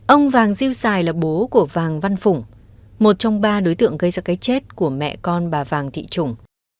ông vàng diêu sài là bố của vàng văn phùng một trong ba đối tượng gây ra cái chết của mẹ con bà vàng thị trùng